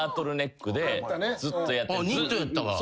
ニットやったわ。